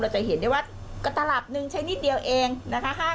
จะเห็นได้ว่าก็ตลับหนึ่งใช้นิดเดียวเองนะคะ